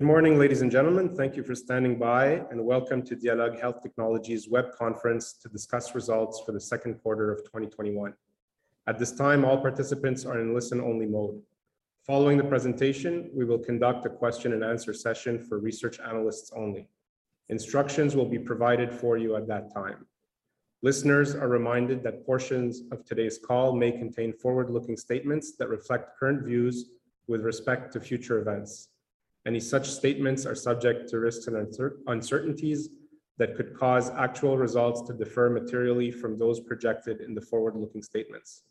Good morning, ladies and gentlemen. Thank you for standing by, and welcome to Dialogue Health Technologies web conference to discuss results for the second quarter of 2021. At this time, all participants are in listen-only mode. Following the presentation, we will conduct a question and answer session for research analysts only. Instructions will be provided for you at that time. Listeners are reminded that portions of today's call may contain forward-looking statements that reflect current views with respect to future events. Any such statements are subject to risks and uncertainties that could cause actual results to differ materially from those projected in the forward-looking statements.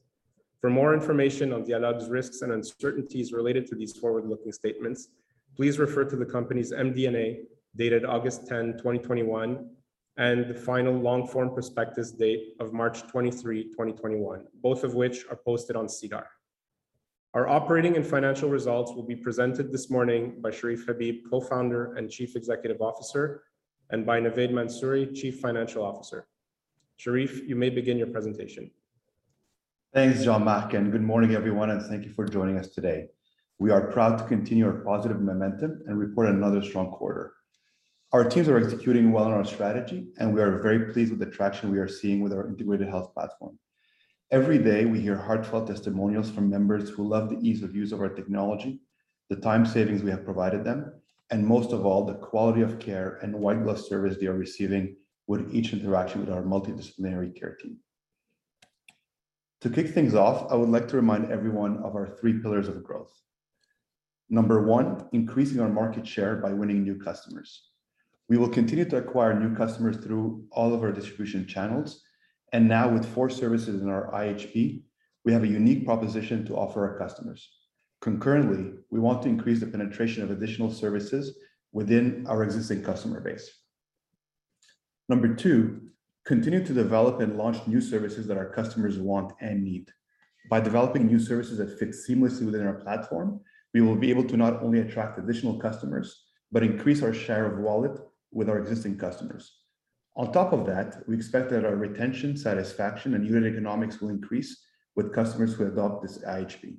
For more information on Dialogue's risks and uncertainties related to these forward-looking statements, please refer to the company's MD&A, dated August 10, 2021, and the final long form prospectus date of March 23, 2021, both of which are posted on SEDAR. Our operating and financial results will be presented this morning by Cherif Habib, Co-Founder and Chief Executive Officer, and by Navaid Mansuri, Chief Financial Officer. Cherif, you may begin your presentation. Thanks, Jean-Marc. Good morning, everyone, and thank you for joining us today. We are proud to continue our positive momentum and report another strong quarter. Our teams are executing well on our strategy, and we are very pleased with the traction we are seeing with our integrated health platform. Every day, we hear heartfelt testimonials from members who love the ease of use of our technology, the time savings we have provided them, and most of all, the quality of care and white glove service they are receiving with each interaction with our multidisciplinary care team. To kick things off, I would like to remind everyone of our three pillars of growth. Number one, increasing our market share by winning new customers. We will continue to acquire new customers through all of our distribution channels. Now with four services in our IHP, we have a unique proposition to offer our customers. Concurrently, we want to increase the penetration of additional services within our existing customer base. Number two, continue to develop and launch new services that our customers want and need. By developing new services that fit seamlessly within our platform, we will be able to not only attract additional customers, but increase our share of wallet with our existing customers. On top of that, we expect that our retention, satisfaction, and unit economics will increase with customers who adopt this IHP.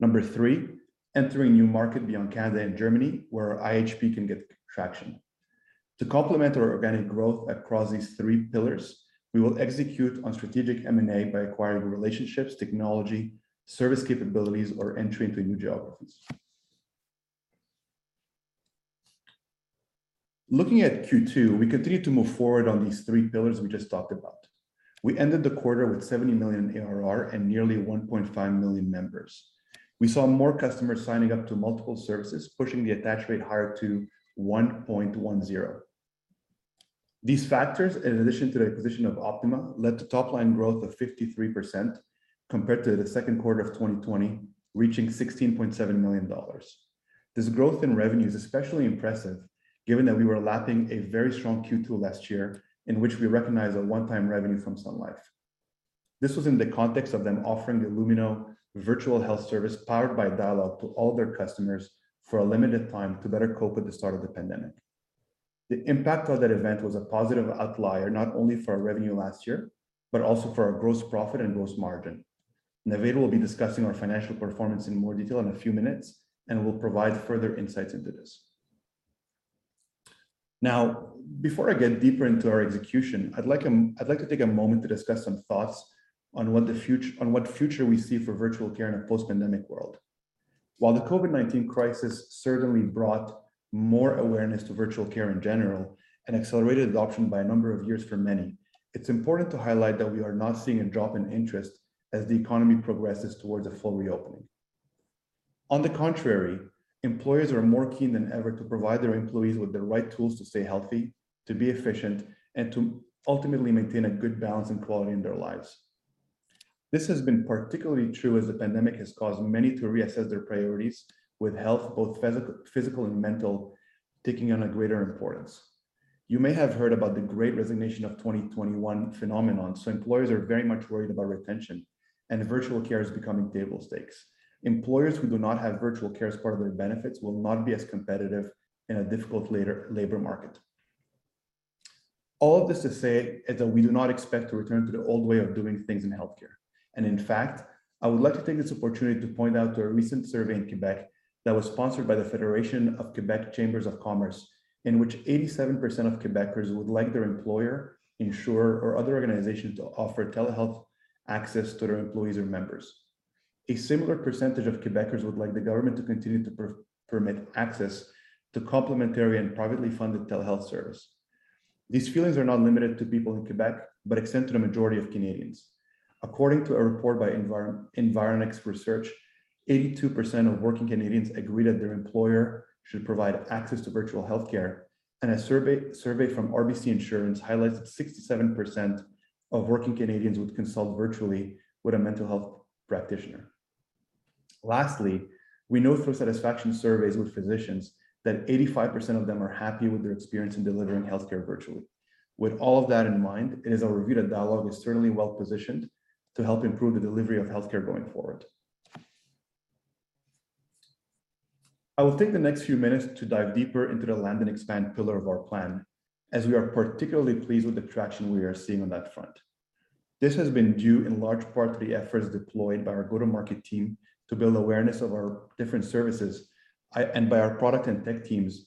Number three, entering new market beyond Canada and Germany, where IHP can get traction. To complement our organic growth across these three pillars, we will execute on strategic M&A by acquiring relationships, technology, service capabilities, or entry into new geographies. Looking at Q2, we continued to move forward on these three pillars we just talked about. We ended the quarter with 70 million ARR and nearly 1.5 million members. We saw more customers signing up to multiple services, pushing the attach rate higher to 1.10. These factors, in addition to the acquisition of Optima, led to top-line growth of 53% compared to the second quarter of 2020, reaching 16.7 million dollars. This growth in revenue is especially impressive given that we were lapping a very strong Q2 last year, in which we recognized a one-time revenue from Sun Life. This was in the context of them offering the Lumino Health Virtual Care service powered by Dialogue to all their customers for a limited time to better cope with the start of the pandemic. The impact of that event was a positive outlier, not only for our revenue last year, but also for our gross profit and gross margin. Navaid will be discussing our financial performance in more detail in a few minutes and will provide further insights into this. Now, before I get deeper into our execution, I'd like to take a moment to discuss some thoughts on what future we see for virtual care in a post-pandemic world. While the COVID-19 crisis certainly brought more awareness to virtual care in general and accelerated adoption by a number of years for many, it is important to highlight that we are not seeing a drop in interest as the economy progresses towards a full reopening. On the contrary, employers are more keen than ever to provide their employees with the right tools to stay healthy, to be efficient, and to ultimately maintain a good balance and quality in their lives. This has been particularly true as the pandemic has caused many to reassess their priorities with health, both physical and mental, taking on a greater importance. You may have heard about the great resignation of 2021 phenomenon, so employers are very much worried about retention, and virtual care is becoming table stakes. Employers who do not have virtual care as part of their benefits will not be as competitive in a difficult labor market. All of this to say is that we do not expect to return to the old way of doing things in healthcare. In fact, I would like to take this opportunity to point out to a recent survey in Quebec that was sponsored by the Federation of Quebec Chambers of Commerce, in which 87% of Quebecers would like their employer, insurer, or other organization to offer telehealth access to their employees or members. A similar percentage of Quebecers would like the government to continue to permit access to complementary and privately funded telehealth service. These feelings are not limited to people in Quebec but extend to the majority of Canadians. According to a report by Environics Research, 82% of working Canadians agree that their employer should provide access to virtual healthcare, and a survey from RBC Insurance highlights that 67% of working Canadians would consult virtually with a mental health practitioner. Lastly, we know through satisfaction surveys with physicians that 85% of them are happy with their experience in delivering healthcare virtually. With all of that in mind, it is our view that Dialogue is certainly well-positioned to help improve the delivery of healthcare going forward. I will take the next few minutes to dive deeper into the land and expand pillar of our plan, as we are particularly pleased with the traction we are seeing on that front. This has been due in large part to the efforts deployed by our go-to-market team to build awareness of our different services and by our product and tech teams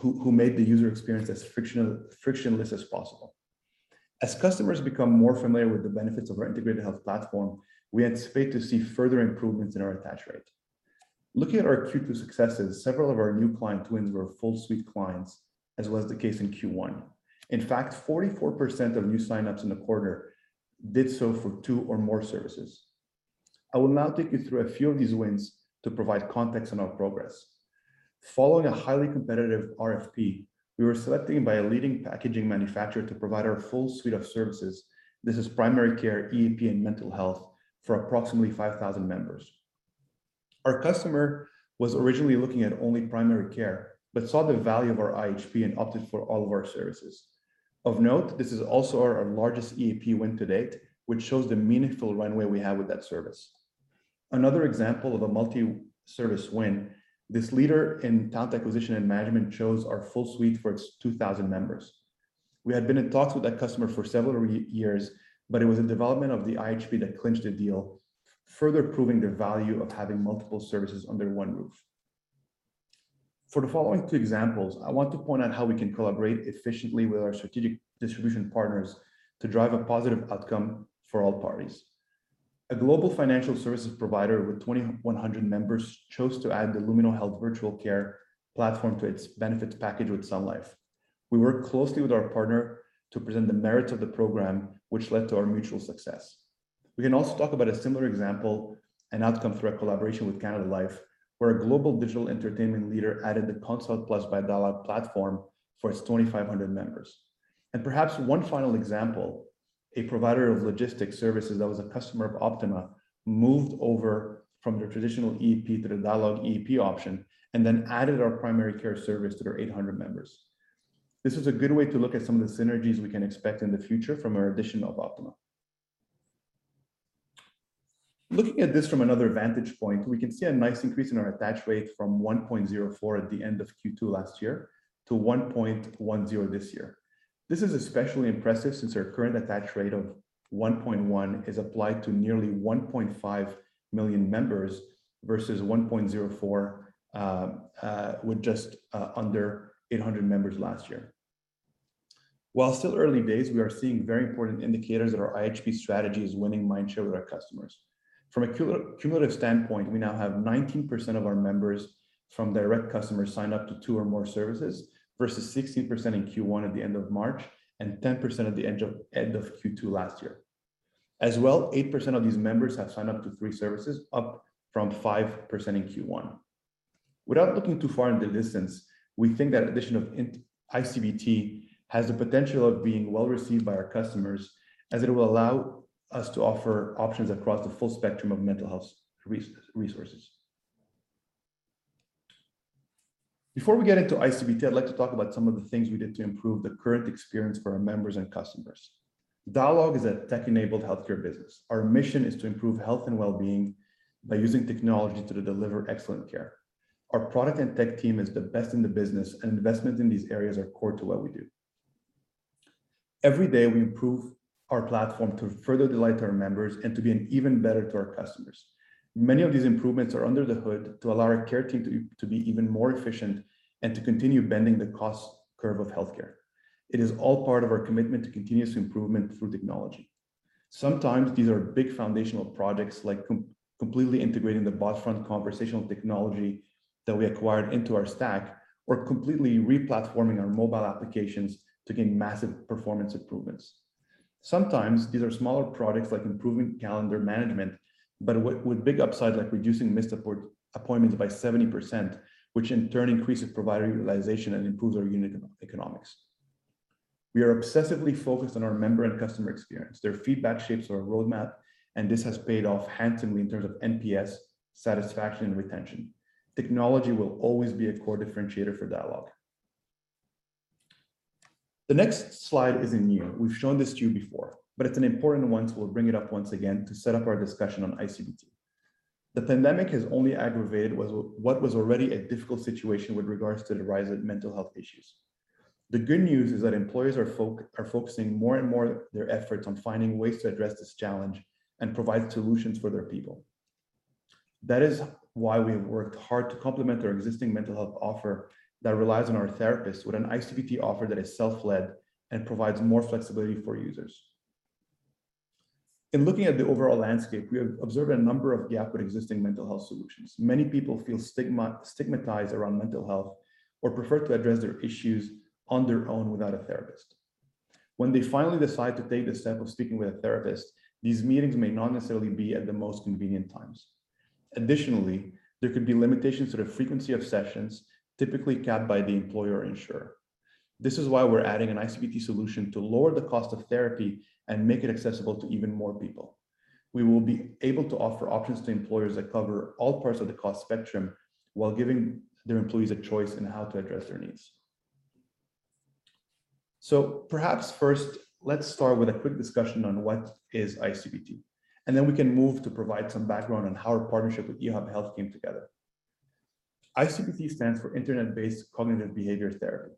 who made the user experience as frictionless as possible. As customers become more familiar with the benefits of our integrated health platform, we anticipate to see further improvements in our attach rate. Looking at our Q2 successes, several of our new client wins were full suite clients, as was the case in Q1. In fact, 44% of new sign-ups in the quarter did so for two or more services. I will now take you through a few of these wins to provide context on our progress. Following a highly competitive RFP, we were selected by a leading packaging manufacturer to provide our full suite of services. This is primary care, EAP, and mental health for approximately 5,000 members. Our customer was originally looking at only primary care but saw the value of our IHP and opted for all of our services. Of note, this is also our largest EAP win to date, which shows the meaningful runway we have with that service. Another example of a multi-service win, this leader in talent acquisition and management chose our full suite for its 2,000 members. We had been in talks with that customer for several years, but it was the development of the IHP that clinched the deal, further proving the value of having multiple services under one roof. For the following two examples, I want to point out how we can collaborate efficiently with our strategic distribution partners to drive a positive outcome for all parties. A global financial services provider with 2,100 members chose to add the Lumino Health Virtual Care platform to its benefits package with Sun Life. We worked closely with our partner to present the merits of the program, which led to our mutual success. We can also talk about a similar example and outcome through our collaboration with Canada Life, where a global digital entertainment leader added the Consult+ by Dialogue platform for its 2,500 members. Perhaps one final example, a provider of logistics services that was a customer of Optima moved over from their traditional EAP to the Dialogue EAP option, and then added our primary care service to their 800 members. This is a good way to look at some of the synergies we can expect in the future from our addition of Optima. Looking at this from another vantage point, we can see a nice increase in our attach rate from 1.04 at the end of Q2 last year to 1.10 this year. This is especially impressive since our current attach rate of 1.1 is applied to nearly 1.5 million members versus 1.04 with just under 800 members last year. While still early days, we are seeing very important indicators that our IHP strategy is winning mind share with our customers. From a cumulative standpoint, we now have 19% of our members from direct customers signed up to two or more services versus 16% in Q1 at the end of March and 10% at the end of Q2 last year. As well, 8% of these members have signed up to three services, up from 5% in Q1. Without looking too far into distance, we think that addition of iCBT has the potential of being well-received by our customers, as it will allow us to offer options across the full spectrum of mental health resources. Before we get into iCBT, I'd like to talk about some of the things we did to improve the current experience for our members and customers. Dialogue is a tech-enabled healthcare business. Our mission is to improve health and wellbeing by using technology to deliver excellent care. Our product and tech team is the best in the business, and investments in these areas are core to what we do. Every day, we improve our platform to further delight our members and to be an even better to our customers. Many of these improvements are under the hood to allow our care team to be even more efficient and to continue bending the cost curve of healthcare. It is all part of our commitment to continuous improvement through technology. Sometimes these are big foundational projects, like completely integrating the Botfront conversational technology that we acquired into our stack, or completely re-platforming our mobile applications to gain massive performance improvements. Sometimes these are smaller products like improving calendar management, but with big upside, like reducing missed appointments by 70%, which in turn increases provider utilization and improves our unit economics. We are obsessively focused on our member and customer experience. Their feedback shapes our roadmap, and this has paid off handsomely in terms of NPS satisfaction and retention. Technology will always be a core differentiator for Dialogue. The next slide isn't new. We've shown this to you before, but it's an important one, so we'll bring it up once again to set up our discussion on iCBT. The pandemic has only aggravated what was already a difficult situation with regards to the rise in mental health issues. The good news is that employers are focusing more and more their efforts on finding ways to address this challenge and provide solutions for their people. That is why we have worked hard to complement our existing mental health offer that relies on our therapists with an iCBT offer that is self-led and provides more flexibility for users. In looking at the overall landscape, we have observed a number of gaps with existing mental health solutions. Many people feel stigmatized around mental health or prefer to address their issues on their own without a therapist. When they finally decide to take the step of speaking with a therapist, these meetings may not necessarily be at the most convenient times. Additionally, there could be limitations to the frequency of sessions, typically capped by the employer or insurer. This is why we're adding an iCBT solution to lower the cost of therapy and make it accessible to even more people. We will be able to offer options to employers that cover all parts of the cost spectrum while giving their employees a choice in how to address their needs. Perhaps first, let's start with a quick discussion on what is iCBT, and then we can move to provide some background on how our partnership with e-hub Health came together. iCBT stands for Internet-based Cognitive Behavioral Therapy.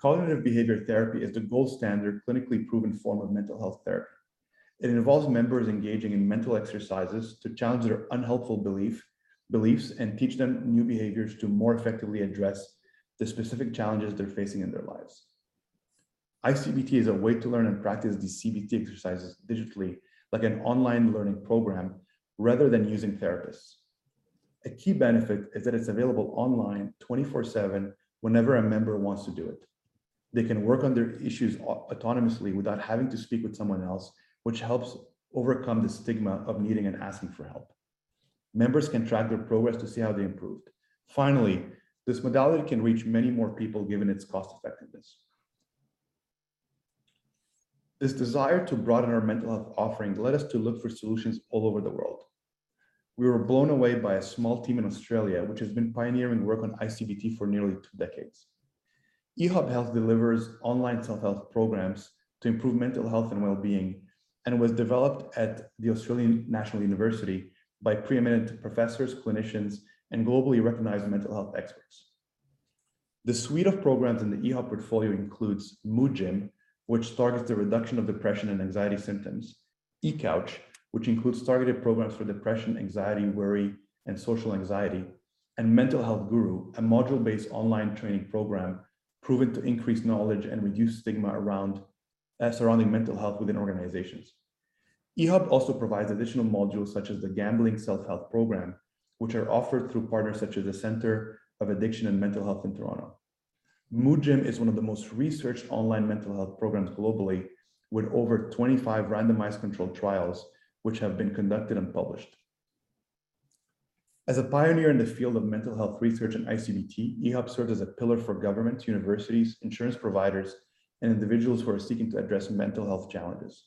Cognitive Behavioral Therapy is the gold standard, clinically proven form of mental health therapy. It involves members engaging in mental exercises to challenge their unhelpful beliefs and teach them new behaviors to more effectively address the specific challenges they're facing in their lives. iCBT is a way to learn and practice these CBT exercises digitally, like an online learning program, rather than using therapists. A key benefit is that it's available online 24/7, whenever a member wants to do it. They can work on their issues autonomously without having to speak with someone else, which helps overcome the stigma of needing and asking for help. Members can track their progress to see how they improved. Finally, this modality can reach many more people given its cost-effectiveness. This desire to broaden our mental health offering led us to look for solutions all over the world. We were blown away by a small team in Australia, which has been pioneering work on iCBT for nearly two decades. e-hub Health delivers online self-health programs to improve mental health and wellbeing, and was developed at the Australian National University by preeminent professors, clinicians, and globally recognized mental health experts. The suite of programs in the e-hub portfolio includes moodgym, which targets the reduction of depression and anxiety symptoms, e-couch, which includes targeted programs for depression, anxiety, worry, and social anxiety, and Mental Health Guru, a module-based online training program proven to increase knowledge and reduce stigma surrounding mental health within organizations. e-hub also provides additional modules such as the gambling self-health program, which are offered through partners such as the Centre for Addiction and Mental Health in Toronto. Moodgym is one of the most researched online mental health programs globally, with over 25 randomized controlled trials which have been conducted and published. As a pioneer in the field of mental health research and iCBT, e-hub serves as a pillar for governments, universities, insurance providers, and individuals who are seeking to address mental health challenges.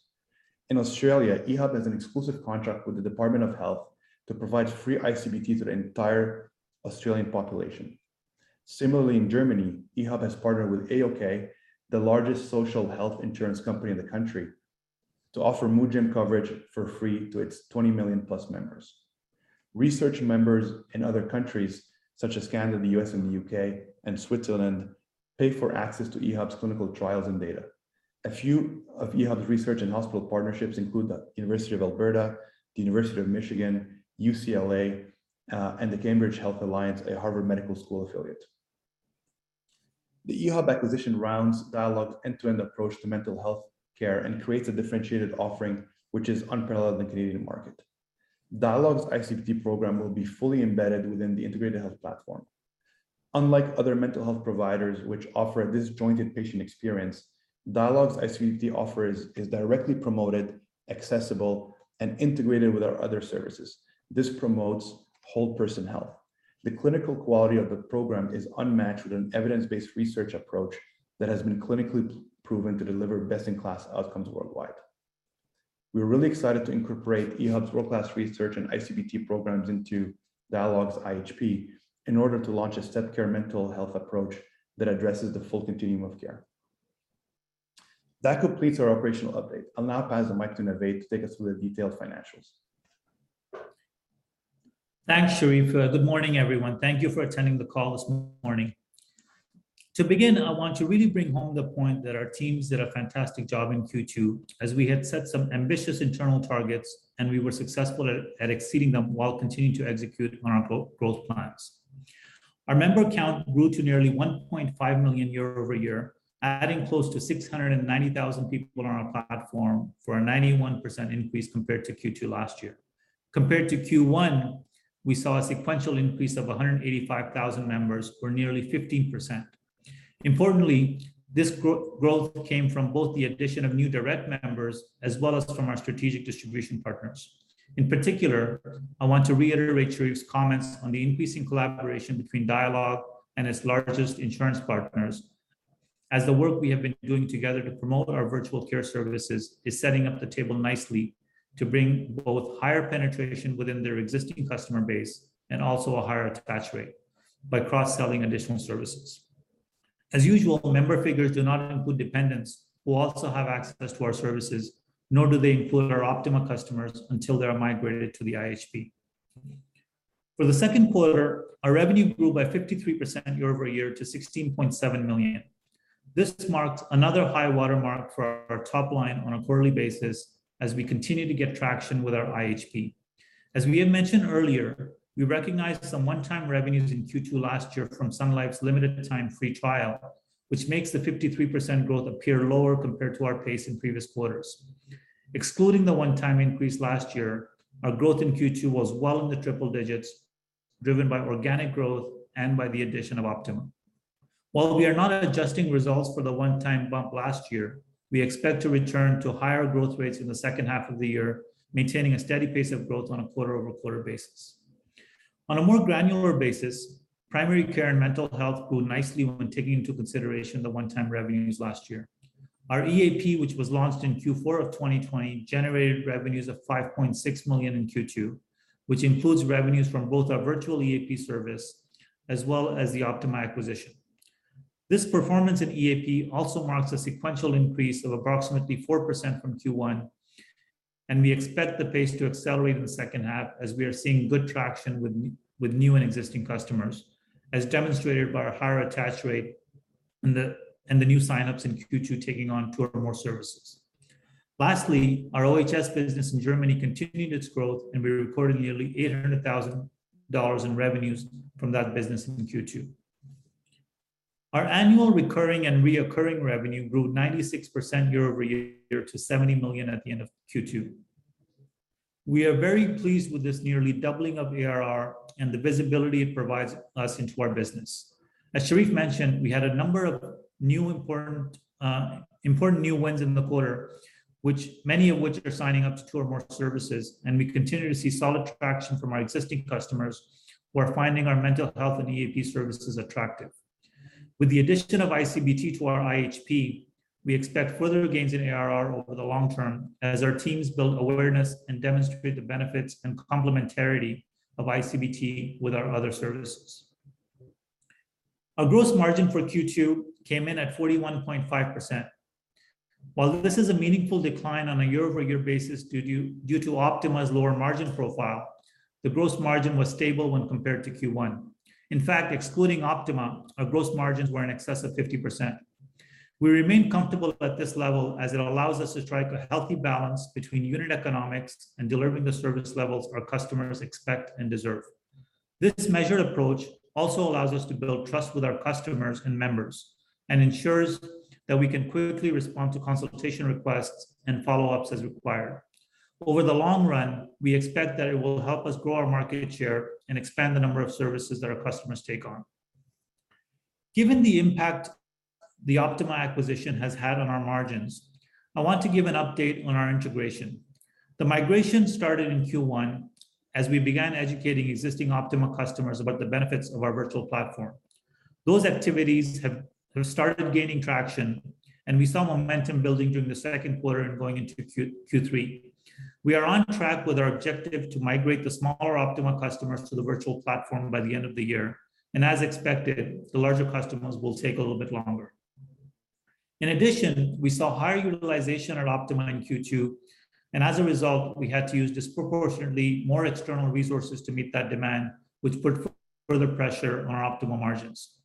In Australia, e-hub has an exclusive contract with the Department of Health to provide free iCBT to the entire Australian population. Similarly, in Germany, e-hub has partnered with AOK, the largest social health insurance company in the country, to offer moodgym coverage for free to its 20 million+ members. Research members in other countries such as Canada, the U.S., and the U.K., and Switzerland pay for access to e-hub's clinical trials and data. A few of e-hub's research and hospital partnerships include the University of Alberta, the University of Michigan, UCLA, and the Cambridge Health Alliance, a Harvard Medical School affiliate. The e-hub acquisition rounds Dialogue's end-to-end approach to mental health care and creates a differentiated offering, which is unparalleled in the Canadian market. Dialogue's iCBT program will be fully embedded within the integrated health platform. Unlike other mental health providers which offer a disjointed patient experience, Dialogue's iCBT offer is directly promoted, accessible, and integrated with our other services. This promotes whole person health. The clinical quality of the program is unmatched with an evidence-based research approach that has been clinically proven to deliver best-in-class outcomes worldwide. We're really excited to incorporate e-hub's world-class research and iCBT programs into Dialogue's IHP in order to launch a stepped care mental health approach that addresses the full continuum of care. That completes our operational update. I'll now pass the mic to Navaid to take us through the detailed financials. Thanks, Cherif. Good morning, everyone. Thank you for attending the call this morning. To begin, I want to really bring home the point that our teams did a fantastic job in Q2, as we had set some ambitious internal targets, and we were successful at exceeding them while continuing to execute on our growth plans. Our member count grew to nearly 1.5 million year-over-year, adding close to 690,000 people on our platform for a 91% increase compared to Q2 last year. Compared to Q1, we saw a sequential increase of 185,000 members, or nearly 15%. Importantly, this growth came from both the addition of new direct members as well as from our strategic distribution partners. In particular, I want to reiterate Cherif's comments on the increasing collaboration between Dialogue and its largest insurance partners. As the work we have been doing together to promote our virtual care services is setting up the table nicely to bring both higher penetration within their existing customer base and also a higher attach rate by cross-selling additional services. As usual, member figures do not include dependents who also have access to our services, nor do they include our Optima customers until they are migrated to the IHP. For the second quarter, our revenue grew by 53% year-over-year to 16.7 million. This marked another high watermark for our top line on a quarterly basis as we continue to get traction with our IHP. As we had mentioned earlier, we recognized some one-time revenues in Q2 last year from Sun Life's limited-time free trial, which makes the 53% growth appear lower compared to our pace in previous quarters. Excluding the one-time increase last year, our growth in Q2 was well in the triple digits, driven by organic growth and by the addition of Optima. While we are not adjusting results for the one-time bump last year, we expect to return to higher growth rates in the second half of the year, maintaining a steady pace of growth on a quarter-over-quarter basis. On a more granular basis, primary care and mental health grew nicely when taking into consideration the one-time revenues last year. Our EAP, which was launched in Q4 of 2020, generated revenues of 5.6 million in Q2, which includes revenues from both our virtual EAP service as well as the Optima acquisition. This performance in EAP also marks a sequential increase of approximately 4% from Q1, and we expect the pace to accelerate in the second half as we are seeing good traction with new and existing customers, as demonstrated by our higher attach rate and the new sign-ups in Q2 taking on two or more services. Lastly, our OHS business in Germany continued its growth, and we recorded nearly 800,000 dollars in revenues from that business in Q2. Our annual recurring and reoccurring revenue grew 96% year-over-year to 70 million at the end of Q2. We are very pleased with this nearly doubling of ARR and the visibility it provides us into our business. As Cherif mentioned, we had a number of important new wins in the quarter, many of which are signing up to two or more services, and we continue to see solid traction from our existing customers who are finding our mental health and EAP services attractive. With the addition of iCBT to our IHP, we expect further gains in ARR over the long term as our teams build awareness and demonstrate the benefits and complementarity of iCBT with our other services. Our gross margin for Q2 came in at 41.5%. While this is a meaningful decline on a year-over-year basis due to Optima's lower margin profile, the gross margin was stable when compared to Q1. In fact, excluding Optima, our gross margins were in excess of 50%. We remain comfortable at this level as it allows us to strike a healthy balance between unit economics and delivering the service levels our customers expect and deserve. This measured approach also allows us to build trust with our customers and members and ensures that we can quickly respond to consultation requests and follow-ups as required. Over the long run, we expect that it will help us grow our market share and expand the number of services that our customers take on. Given the impact the Optima acquisition has had on our margins, I want to give an update on our integration. The migration started in Q1 as we began educating existing Optima customers about the benefits of our virtual platform. Those activities have started gaining traction, and we saw momentum building during the second quarter and going into Q3. We are on track with our objective to migrate the smaller Optima customers to the virtual platform by the end of the year. As expected, the larger customers will take a little bit longer. In addition, we saw higher utilization at Optima in Q2, and as a result, we had to use disproportionately more external resources to meet that demand, which put further pressure on our Optima margins.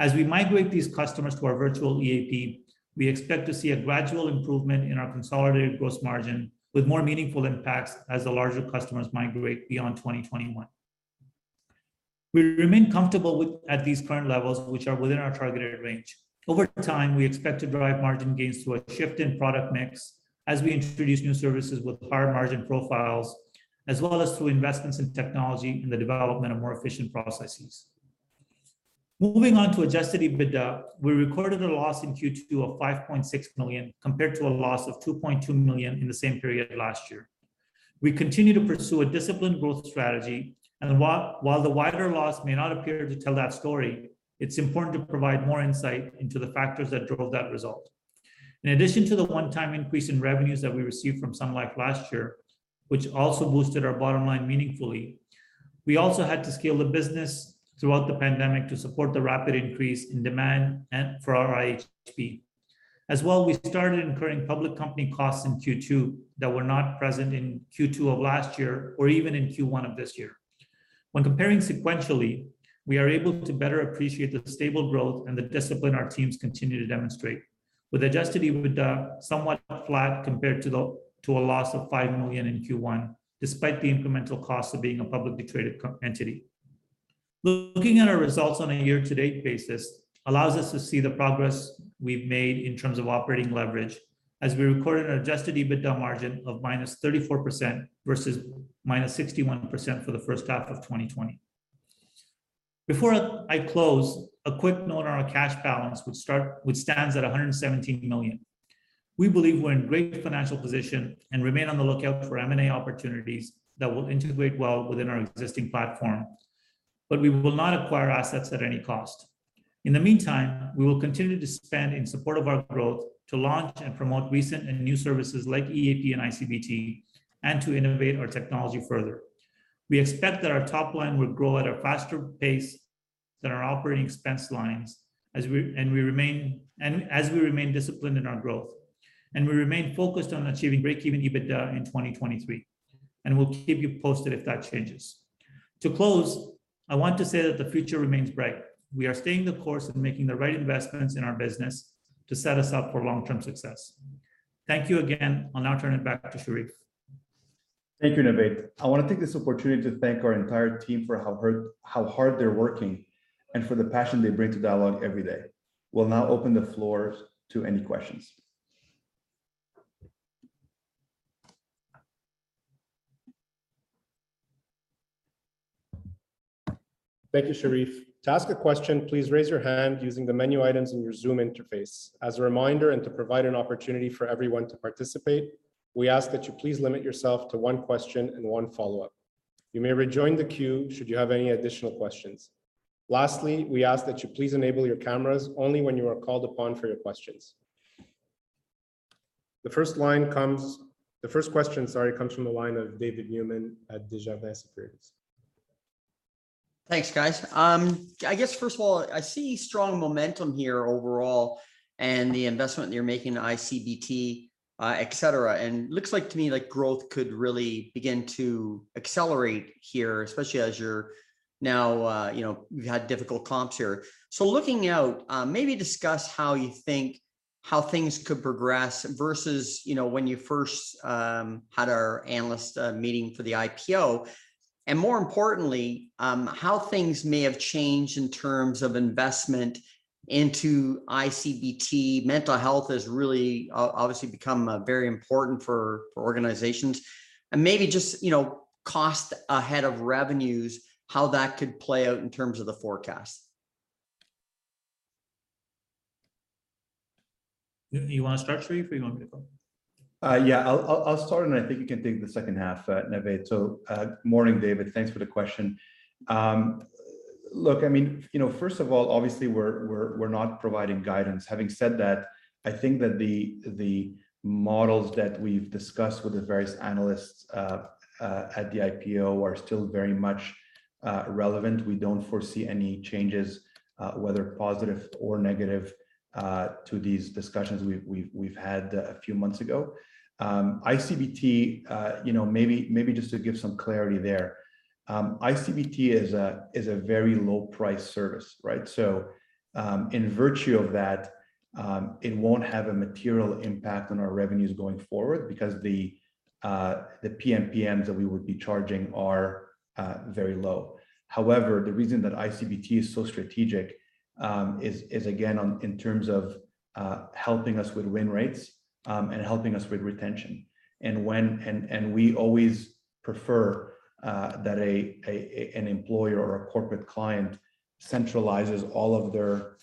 As we migrate these customers to our virtual EAP, we expect to see a gradual improvement in our consolidated gross margin with more meaningful impacts as the larger customers migrate beyond 2021. We remain comfortable at these current levels, which are within our targeted range. Over time, we expect to drive margin gains through a shift in product mix as we introduce new services with higher margin profiles, as well as through investments in technology and the development of more efficient processes. Moving on to Adjusted EBITDA, we recorded a loss in Q2 of 5.6 million, compared to a loss of 2.2 million in the same period last year. We continue to pursue a disciplined growth strategy, and while the wider loss may not appear to tell that story, it's important to provide more insight into the factors that drove that result. In addition to the one-time increase in revenues that we received from Sun Life last year, which also boosted our bottom line meaningfully, we also had to scale the business throughout the pandemic to support the rapid increase in demand for our IHP. We started incurring public company costs in Q2 that were not present in Q2 of last year or even in Q1 of this year. When comparing sequentially, we are able to better appreciate the stable growth and the discipline our teams continue to demonstrate. With Adjusted EBITDA somewhat flat compared to a loss of 5 million in Q1, despite the incremental cost of being a publicly traded entity. Looking at our results on a year-to-date basis allows us to see the progress we've made in terms of operating leverage as we recorded an Adjusted EBITDA margin of -34% versus -61% for the first half of 2020. Before I close, a quick note on our cash balance, which stands at 117 million. We believe we're in great financial position and remain on the lookout for M&A opportunities that will integrate well within our existing platform. We will not acquire assets at any cost. In the meantime, we will continue to spend in support of our growth to launch and promote recent and new services like EAP and iCBT and to innovate our technology further. We expect that our top line will grow at a faster pace than our operating expense lines, as we remain disciplined in our growth. We remain focused on achieving breakeven EBITDA in 2023. We'll keep you posted if that changes. To close, I want to say that the future remains bright. We are staying the course and making the right investments in our business to set us up for long-term success. Thank you again. I'll now turn it back to Cherif. Thank you, Navaid. I want to take this opportunity to thank our entire team for how hard they're working and for the passion they bring to Dialogue every day. We'll now open the floor to any questions. Thank you, Cherif. To ask a question, please raise your hand using the menu items in your Zoom interface. As a reminder and to provide an opportunity for everyone to participate, we ask that you please limit yourself to one question and one follow-up. You may rejoin the queue should you have any additional questions. Lastly, we ask that you please enable your cameras only when you are called upon for your questions. The first question comes from the line of David Newman at Desjardins Securities. Thanks, guys. I guess, first of all, I see strong momentum here overall and the investment you're making in iCBT, et cetera, and looks like to me like growth could really begin to accelerate here, especially as you've had difficult comps here. Looking out, maybe discuss how you think how things could progress versus when you first had our analyst meeting for the IPO, and more importantly, how things may have changed in terms of investment into iCBT. Mental health has really obviously become very important for organizations and maybe just cost ahead of revenues, how that could play out in terms of the forecast. You want to start, Cherif, or you want me to go? Yeah, I'll start and I think you can take the second half, Navaid. Morning, David. Thanks for the question. Look, first of all, obviously, we're not providing guidance. Having said that, I think that the models that we've discussed with the various analysts at the IPO are still very much relevant. We don't foresee any changes, whether positive or negative, to these discussions we've had a few months ago. iCBT, maybe just to give some clarity there. iCBT is a very low price service. In virtue of that, it won't have a material impact on our revenues going forward because the PMPMs that we would be charging are very low. However, the reason that iCBT is so strategic, is again, in terms of helping us with win rates, and helping us with retention. We always prefer that an employer or a corporate client centralizes all of their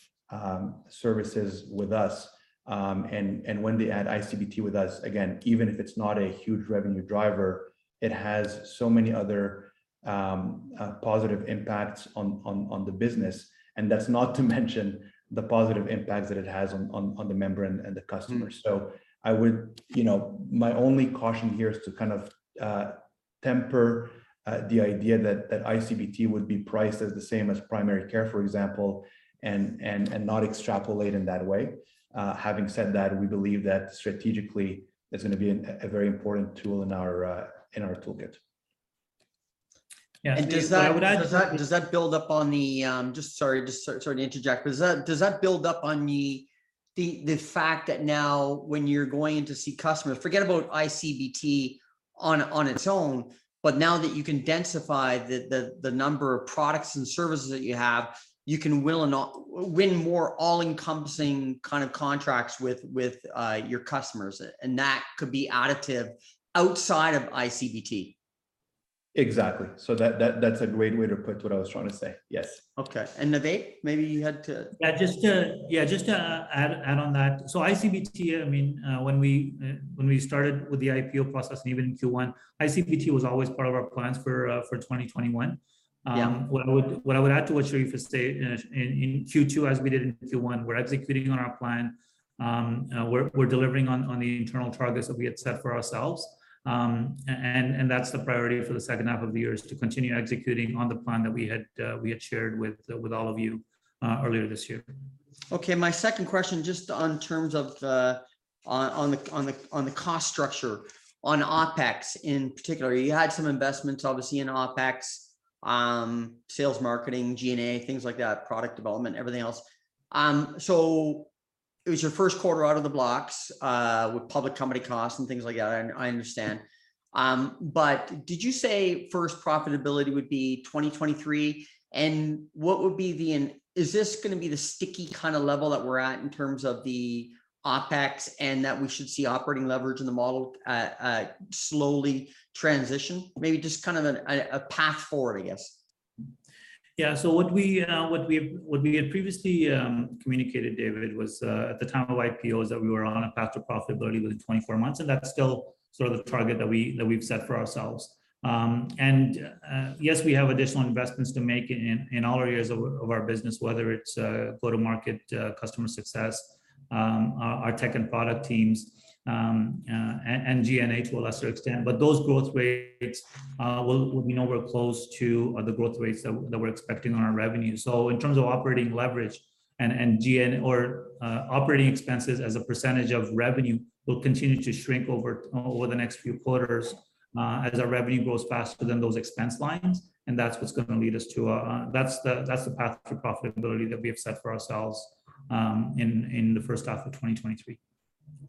services with us. When they add iCBT with us, again, even if it's not a huge revenue driver, it has so many other positive impacts on the business, and that's not to mention the positive impacts that it has on the member and the customer. My only caution here is to kind of temper the idea that iCBT would be priced as the same as primary care, for example, and not extrapolate in that way. Having said that, we believe that strategically, it's going to be a very important tool in our toolkit. Yeah, David, I would add. Just, sorry to interject, but does that build up on the fact that now when you're going in to see customers, forget about iCBT on its own, but now that you can densify the number of products and services that you have, you can win more all-encompassing kind of contracts with your customers, and that could be additive outside of iCBT? Exactly. That's a great way to put what I was trying to say. Yes. Okay. Navaid, maybe you to. Yeah, just to add on that. iCBT, when we started with the IPO process and even in Q1, iCBT was always part of our plans for 2021. Yeah. What I would add to what Cherif has stated, in Q2, as we did in Q1, we're executing on our plan. We're delivering on the internal targets that we had set for ourselves. That's the priority for the second half of the year, is to continue executing on the plan that we had shared with all of you earlier this year. Okay, my second question, just on terms of the cost structure on OpEx in particular. You had some investments, obviously, in OpEx, sales, marketing, G&A, things like that, product development, everything else. It was your first quarter out of the blocks, with public company costs and things like that, I understand. Did you say first profitability would be 2023? Is this going to be the sticky kind of level that we're at in terms of the OpEx and that we should see operating leverage in the model slowly transition? Maybe just kind of a path forward, I guess. What we had previously communicated, David, was at the time of IPO is that we were on a path to profitability within 24 months, and that's still sort of the target that we've set for ourselves. Yes, we have additional investments to make in all areas of our business, whether it's go-to-market, customer success, our tech and product teams, and G&A to a lesser extent. Those growth rates will be nowhere close to the growth rates that we're expecting on our revenue. In terms of operating leverage and G&A or operating expenses as a percentage of revenue, will continue to shrink over the next few quarters, as our revenue grows faster than those expense lines, and that's the path to profitability that we have set for ourselves in the first half of 2023.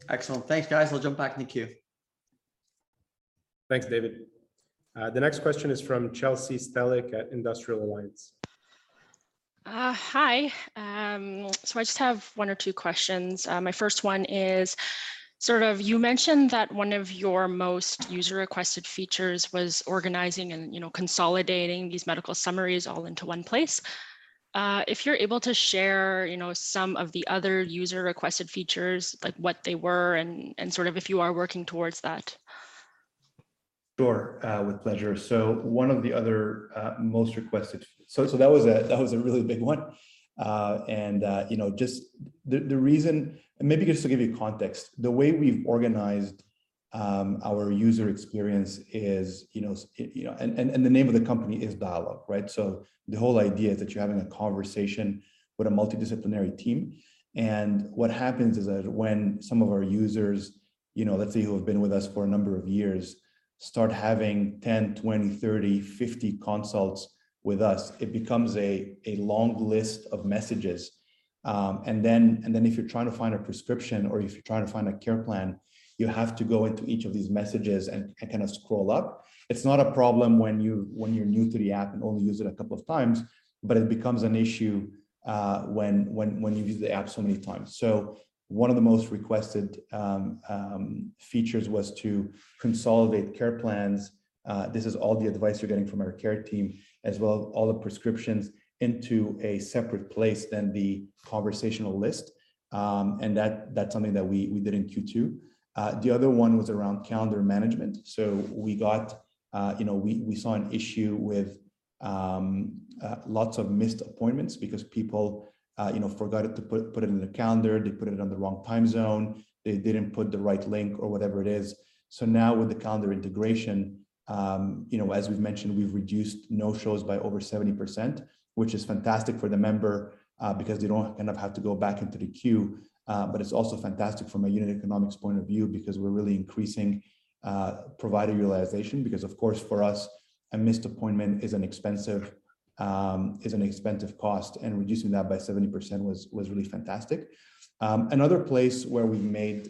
Excellent. Thanks, guys. I'll jump back in the queue. Thanks, David. The next question is from Chelsea Stellick at Industrial Alliance. Hi. I just have one or two questions. My first one is, you mentioned that one of your most user-requested features was organizing and consolidating these medical summaries all into one place. If you're able to share some of the other user-requested features, like what they were, and if you are working towards that? Sure. With pleasure. One of the other most requested. That was a really big one. Maybe just to give you context, the way we've organized our user experience is, and the name of the company is Dialogue. The whole idea is that you're having a conversation with a multidisciplinary team, and what happens is that when some of our users, let's say, who have been with us for a number of years, start having 10, 20, 30, 50 consults with us, it becomes a long list of messages. If you're trying to find a prescription or if you're trying to find a care plan, you have to go into each of these messages and scroll up. It's not a problem when you're new to the app and only use it a couple of times, but it becomes an issue when you use the app so many times. One of the most requested features was to consolidate care plans. This is all the advice you're getting from our care team, as well all the prescriptions into a separate place than the conversational list, and that's something that we did in Q2. The other one was around calendar management. We saw an issue with lots of missed appointments because people forgot to put it in the calendar. They put it on the wrong time zone. They didn't put the right link or whatever it is. Now with the calendar integration, as we've mentioned, we've reduced no-shows by over 70%, which is fantastic for the member, because they don't end up have to go back into the queue. It's also fantastic from a unit economics point of view, because we're really increasing provider utilization, because of course, for us, a missed appointment is an expensive cost and reducing that by 70% was really fantastic. Two other places where we've made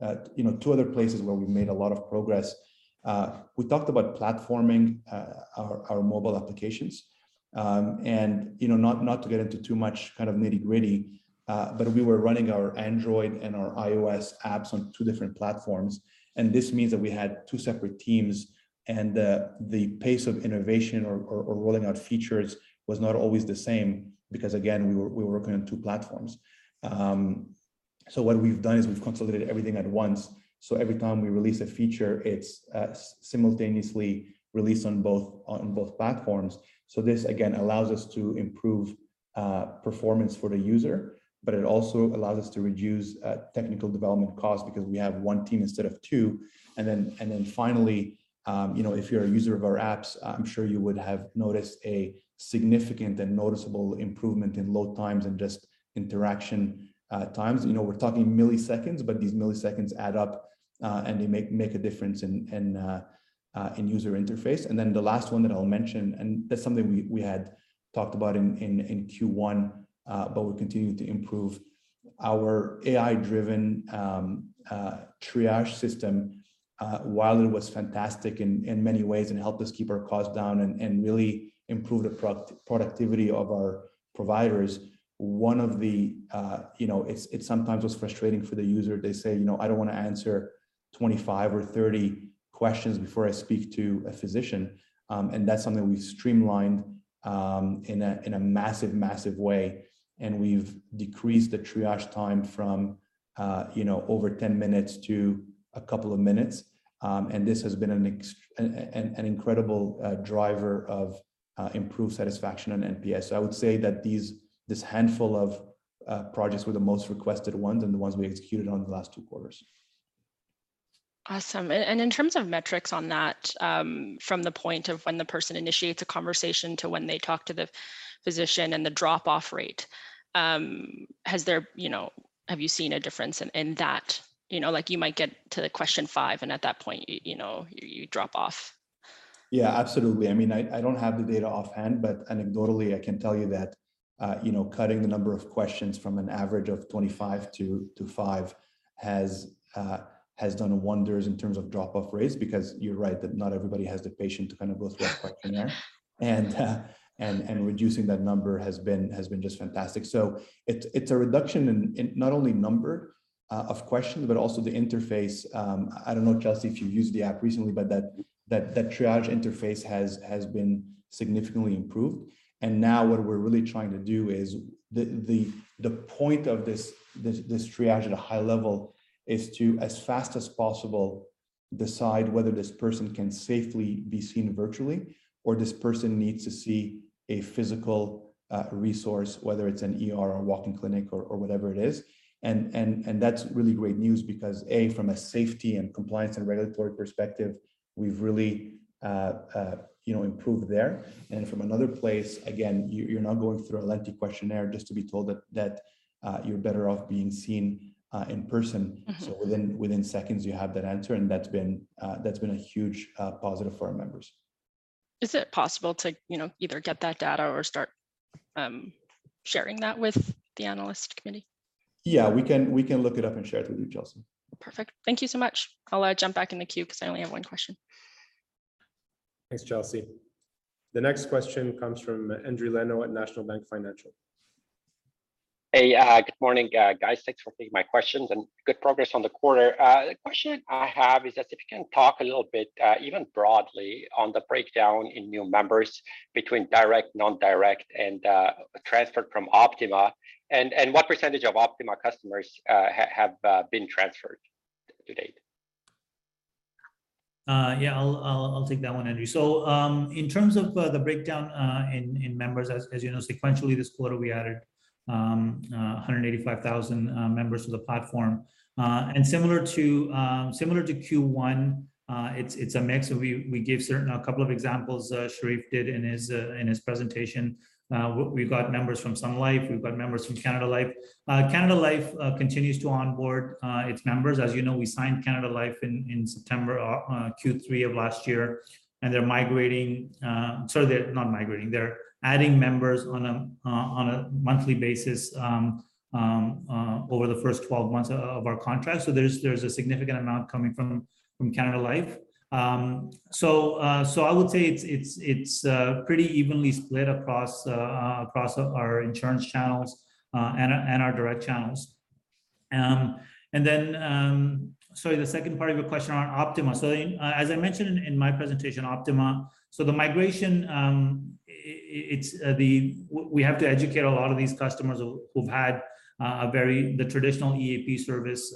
a lot of progress, we talked about platforming our mobile applications. Not to get into too much nitty-gritty, we were running our Android and our iOS apps on two different platforms. This means that we had two separate teams. The pace of innovation or rolling out features was not always the same because, again, we were working on two platforms. What we've done is we've consolidated everything at once, so every time we release a feature, it's simultaneously released on both platforms. This, again, allows us to improve performance for the user, but it also allows us to reduce technical development costs because we have one team instead of two. Finally, if you're a user of our apps, I'm sure you would have noticed a significant and noticeable improvement in load times and just interaction times. We're talking milliseconds, but these milliseconds add up, and they make a difference in user interface. The last one that I'll mention, and that's something we had talked about in Q1, but we're continuing to improve our AI-driven triage system. While it was fantastic in many ways and helped us keep our costs down and really improve the productivity of our providers, it sometimes was frustrating for the user. They say, "I don't want to answer 25 or 30 questions before I speak to a physician." That's something we've streamlined in a massive way, and we've decreased the triage time from over 10 minutes to a couple of minutes, and this has been an incredible driver of improved satisfaction on NPS. I would say that this handful of projects were the most requested ones and the ones we executed on the last two quarters. Awesome. In terms of metrics on that, from the point of when the person initiates a conversation to when they talk to the physician and the drop-off rate, have you seen a difference in that? You might get to the question five, and at that point, you drop off. Yeah, absolutely. I don't have the data offhand, but anecdotally, I can tell you that cutting the number of questions from an average of 25 to five has done wonders in terms of drop-off rates because you're right that not everybody has the patience to go through a questionnaire. Reducing that number has been just fantastic. It's a reduction in not only number of questions, but also the interface. I don't know, Chelsea, if you used the app recently, but that triage interface has been significantly improved. Now what we're really trying to do is the point of this triage at a high level is to, as fast as possible, decide whether this person can safely be seen virtually, or this person needs to see a physical resource, whether it's an ER or a walk-in clinic or whatever it is. That's really great news because, A, from a safety and compliance and regulatory perspective, we've really improved there. From another place, again, you're not going through a lengthy questionnaire just to be told that you're better off being seen in person. Within seconds you have that answer, and that's been a huge positive for our members. Is it possible to either get that data or start sharing that with the analyst committee? Yeah, we can look it up and share it with you, Chelsea. Perfect. Thank you so much. I'll jump back in the queue because I only have one question. Thanks, Chelsea. The next question comes from Endri Leno at National Bank Financial. Hey, good morning, guys. Thanks for taking my questions. Good progress on the quarter. The question I have is just if you can talk a little bit, even broadly, on the breakdown in new members between direct, non-direct, and transfer from Optima, and what percentage of Optima customers have been transferred to date? I'll take that one, Endri. In terms of the breakdown in members, as you know, sequentially this quarter, we added 185,000 members to the platform. Similar to Q1, it's a mix of, we give a couple of examples, Cherif did in his presentation. We've got members from Sun Life, we've got members from Canada Life. Canada Life continues to onboard its members. As you know, we signed Canada Life in September, Q3 of last year, and they're migrating. Sorry, they're not migrating. They're adding members on a monthly basis over the first 12 months of our contract. There's a significant amount coming from Canada Life. I would say it's pretty evenly split across our insurance channels and our direct channels. Sorry, the second part of your question on Optima. As I mentioned in my presentation, Optima, the migration, we have to educate a lot of these customers who've had the traditional EAP service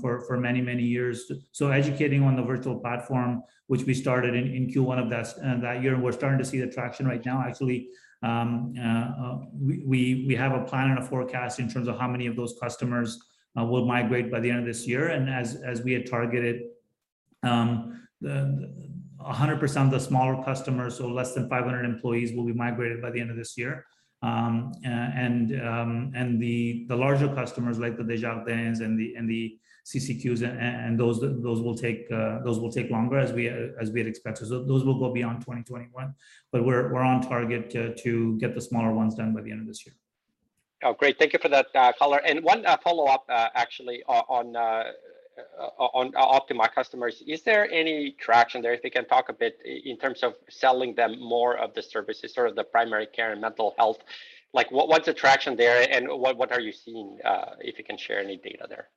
for many, many years. Educating on the virtual platform, which we started in Q1 of that year, and we're starting to see the traction right now. Actually, we have a plan and a forecast in terms of how many of those customers will migrate by the end of this year. As we had targeted, 100% of the smaller customers, less than 500 employees, will be migrated by the end of this year. The larger customers like the Desjardins and the CCQs and those will take longer as we had expected. Those will go beyond 2021. We're on target to get the smaller ones done by the end of this year. Oh, great. Thank you for that color. One follow-up actually on Optima customers. Is there any traction there, if you can talk a bit in terms of selling them more of the services, sort of the primary care and mental health. What's the traction there and what are you seeing, if you can share any data there?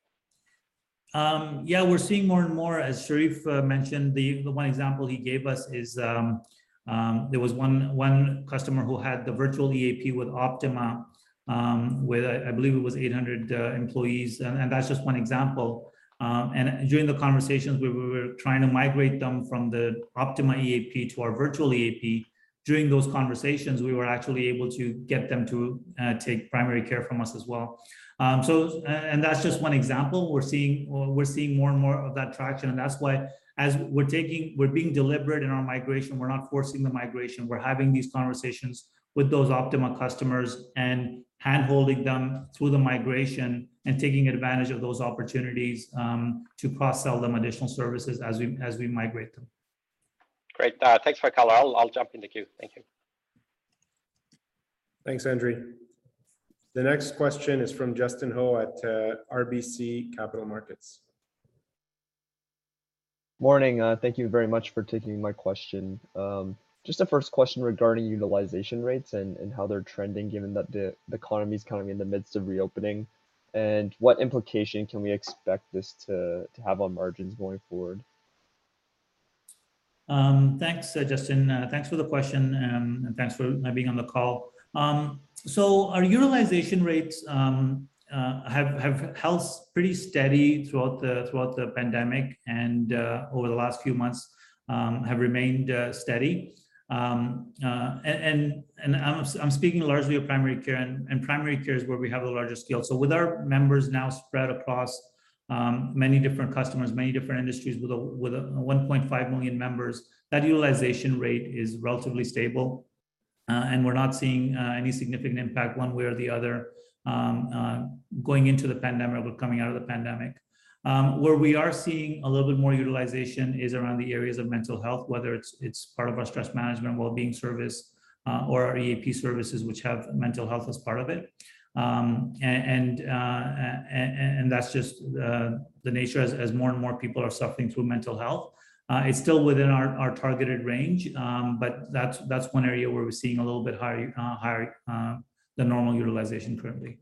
Yeah, we're seeing more and more, as Cherif mentioned. The one example he gave us is, there was one customer who had the virtual EAP with Optima, with, I believe it was 800 employees, and that's just one example. During the conversations where we were trying to migrate them from the Optima EAP to our virtual EAP, during those conversations, we were actually able to get them to take primary care from us as well. That's just one example. We're seeing more and more of that traction, and that's why we're being deliberate in our migration. We're not forcing the migration. We're having these conversations with those Optima customers and handholding them through the migration and taking advantage of those opportunities to cross-sell them additional services as we migrate them. Great. Thanks for the color. I'll jump in the queue. Thank you. Thanks, Endri. The next question is from Justin Ho at RBC Capital Markets. Morning. Thank you very much for taking my question. The first question regarding utilization rates and how they're trending given that the economy's in the midst of reopening, what implication can we expect this to have on margins going forward? Thanks, Justin. Thanks for the question, thanks for being on the call. Our utilization rates have held pretty steady throughout the pandemic and over the last few months have remained steady. I'm speaking largely of primary care, and primary care is where we have the largest scale. With our members now spread across many different customers, many different industries with 1.5 million members, that utilization rate is relatively stable. We're not seeing any significant impact one way or the other, going into the pandemic or coming out of the pandemic. Where we are seeing a little bit more utilization is around the areas of mental health, whether it's part of our stress management well-being service, or our EAP services which have mental health as part of it. That's just the nature as more and more people are suffering through mental health. It's still within our targeted range. That's one area where we're seeing a little bit higher than normal utilization currently.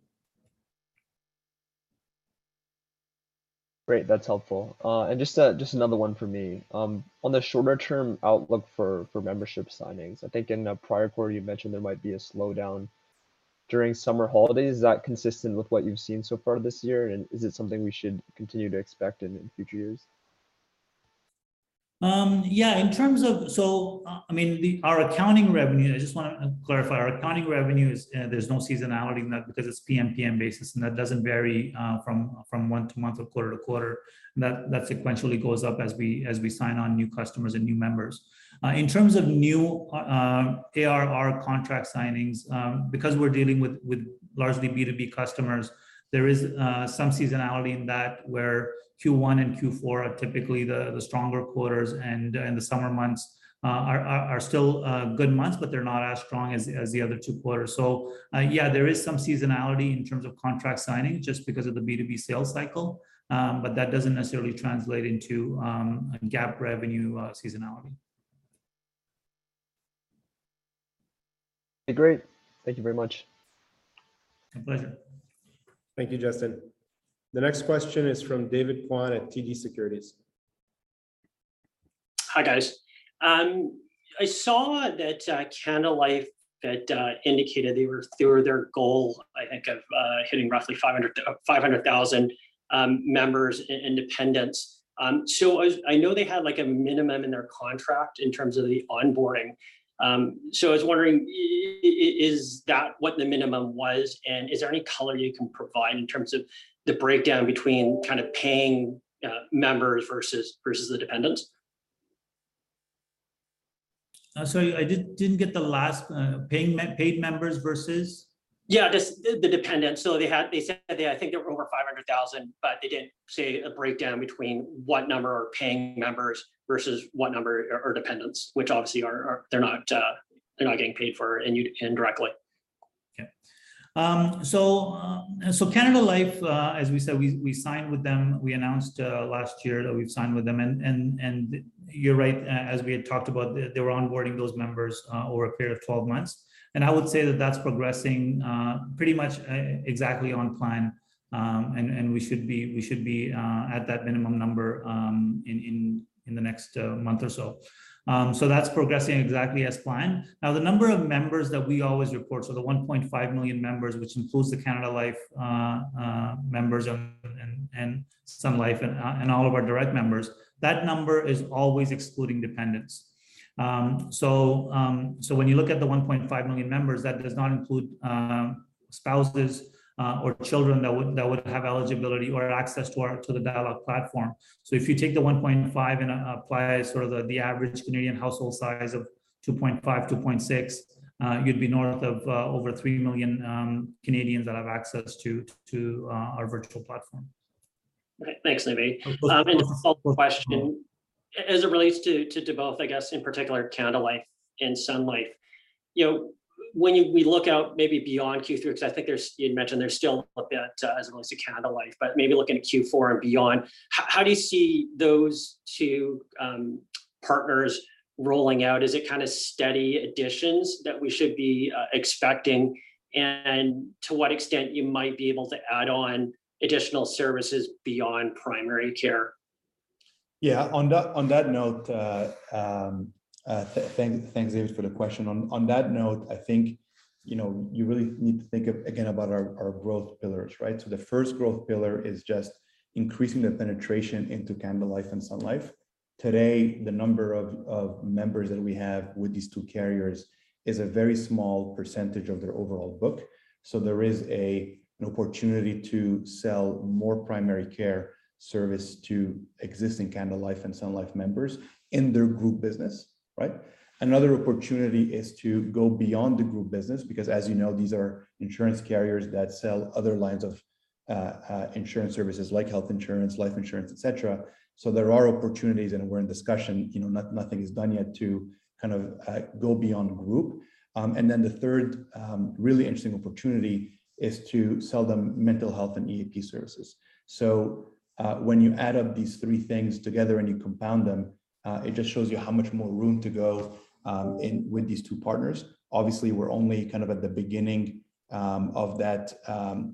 Great. That is helpful. Just another one from me. On the shorter term outlook for membership signings, I think in a prior quarter you mentioned there might be a slowdown during summer holidays. Is that consistent with what you have seen so far this year, and is it something we should continue to expect in future years? Yeah, I mean, our accounting revenue, I just want to clarify, our accounting revenue is, there's no seasonality in that because it's PMPM basis, and that doesn't vary from month-to-month or quarter-to-quarter. That sequentially goes up as we sign on new customers and new members. In terms of new ARR contract signings, because we're dealing with largely B2B customers, there is some seasonality in that where Q1 and Q4 are typically the stronger quarters and the summer months are still good months, but they're not as strong as the other two quarters. Yeah, there is some seasonality in terms of contract signing just because of the B2B sales cycle. But that doesn't necessarily translate into GAAP revenue seasonality. Great. Thank you very much. My pleasure. Thank you, Justin. The next question is from David Kwan at TD Securities. Hi, guys. I saw that Canada Life had indicated they were through their goal, I think, of hitting roughly 500,000 members and dependents. I know they had a minimum in their contract in terms of the onboarding. I was wondering, is that what the minimum was? Is there any color you can provide in terms of the breakdown between kind of paying members versus the dependents? Sorry, I didn't get the last, paid members versus? Yeah, just the dependents. They said, I think there were over 500,000, but they didn't say a breakdown between what number are paying members versus what number are dependents, which obviously they're not getting paid for indirectly. Canada Life, as we said, we signed with them. We announced last year that we've signed with them, and you're right, as we had talked about, they were onboarding those members over a period of 12 months. I would say that that's progressing pretty much exactly on plan. We should be at that minimum number in the next month or so. That's progressing exactly as planned. Now, the number of members that we always report, so the 1.5 million members, which includes the Canada Life members and Sun Life and all of our direct members, that number is always excluding dependents. When you look at the 1.5 million members, that does not include spouses or children that would have eligibility or access to the Dialogue platform. If you take the 1.5 and apply sort of the average Canadian household size of 2.5, 2.6, you'd be north of over 3 million Canadians that have access to our virtual platform. Thanks, Navaid. A follow-up question, as it relates to both, I guess, in particular Canada Life and Sun Life, when we look out maybe beyond Q3, because I think you had mentioned there's still a bit as it relates to Canada Life, but maybe looking at Q4 and beyond, how do you see those two partners rolling out? Is it kind of steady additions that we should be expecting? To what extent you might be able to add on additional services beyond primary care? Yeah. Thanks, David, for the question. On that note, I think you really need to think, again, about our growth pillars, right? The first growth pillar is just increasing the penetration into Canada Life and Sun Life. Today, the number of members that we have with these two carriers is a very small percentage of their overall book. There is an opportunity to sell more primary care service to existing Canada Life and Sun Life members in their group business. Right? Another opportunity is to go beyond the group business because as you know, these are insurance carriers that sell other lines of insurance services like health insurance, life insurance, et cetera. There are opportunities, and we're in discussion, nothing is done yet, to kind of go beyond group. The third really interesting opportunity is to sell them mental health and EAP services. When you add up these three things together and you compound them, it just shows you how much more room to go with these two partners. We're only kind of at the beginning of that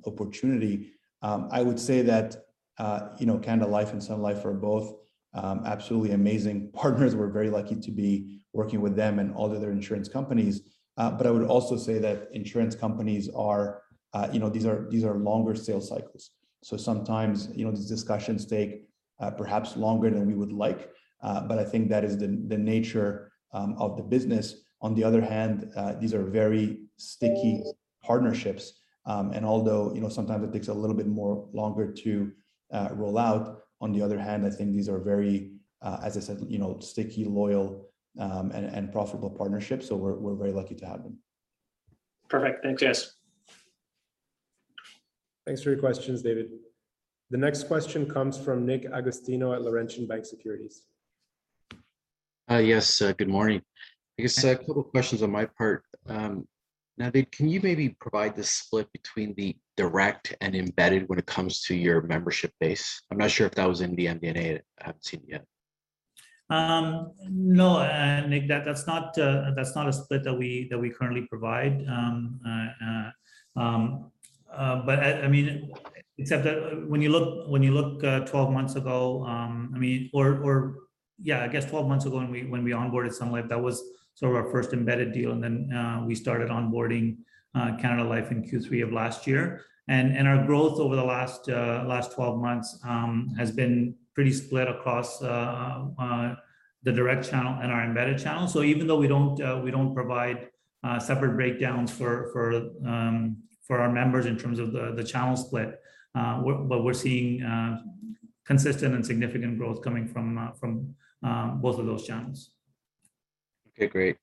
opportunity. I would say that Canada Life and Sun Life are both absolutely amazing partners. We're very lucky to be working with them and all the other insurance companies. I would also say that insurance companies are longer sales cycles. Sometimes, these discussions take perhaps longer than we would like. I think that is the nature of the business. On the other hand, these are very sticky partnerships, and although sometimes it takes a little bit more longer to roll out, on the other hand, I think these are very, as I said, sticky, loyal, and profitable partnerships, we're very lucky to have them. Perfect. Thanks, guys. Thanks for your questions, David. The next question comes from Nick Agostino at Laurentian Bank Securities. Yes, good morning. I guess a couple of questions on my part. Navaid, can you maybe provide the split between the direct and embedded when it comes to your membership base? I'm not sure if that was in the MD&A. I haven't seen it yet. No, Nick, that's not a split that we currently provide. Except that when you look 12 months ago, or yeah, I guess 12 months ago when we onboarded Sun Life, that was sort of our first embedded deal, and then we started onboarding Canada Life in Q3 of last year. Our growth over the last 12 months has been pretty split across the direct channel and our embedded channel. Even though we don't provide separate breakdowns for our members in terms of the channel split, but we're seeing consistent and significant growth coming from both of those channels. Okay, great.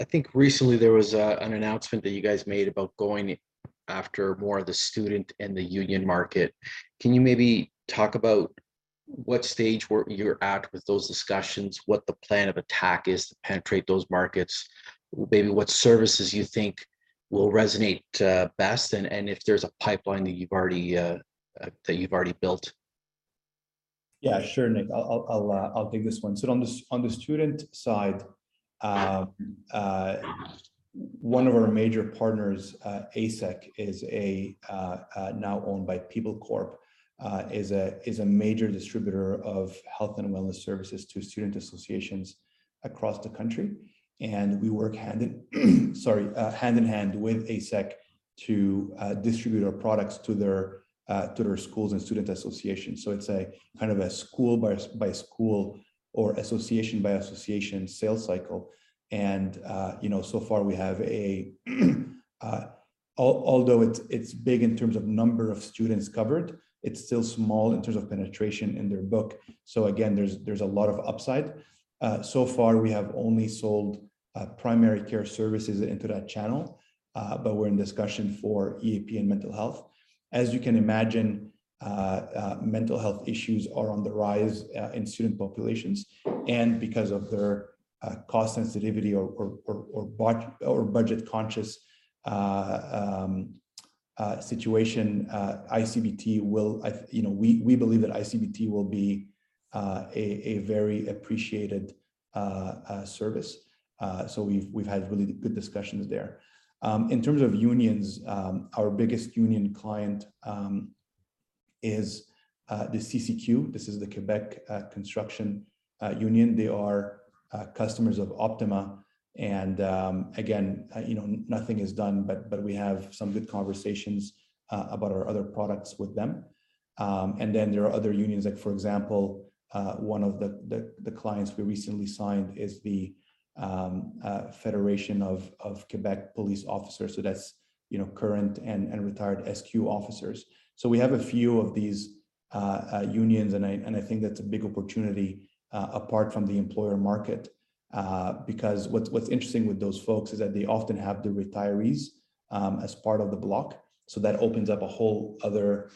I think recently there was an announcement that you guys made about going after more of the student and the union market. Can you maybe talk about what stage you're at with those discussions, what the plan of attack is to penetrate those markets, maybe what services you think will resonate best, and if there's a pipeline that you've already built? Yeah, sure, Nick. I'll take this one. On the student side One of our major partners, ASEQ, now owned by People Corporation, is a major distributor of health and wellness services to student associations across the country, and we work hand in hand with ASEQ to distribute our products to their schools and student associations. It's a school by school or association by association sales cycle. Although it's big in terms of number of students covered, it's still small in terms of penetration in their book. Again, there's a lot of upside. So far we have only sold primary care services into that channel, but we're in discussion for EAP and mental health. As you can imagine, mental health issues are on the rise in student populations, and because of their cost sensitivity or budget conscious situation, we believe that iCBT will be a very appreciated service. We've had really good discussions there. In terms of unions, our biggest union client is the CCQ. This is the Quebec Construction Union. They are customers of Optima. Again, nothing is done. We have some good conversations about our other products with them. There are other unions. For example, one of the clients we recently signed is the Federation of Quebec Police Officers. That's current and retired SQ officers. We have a few of these unions. I think that's a big opportunity apart from the employer market. What's interesting with those folks is that they often have the retirees as part of the block. That opens up a whole other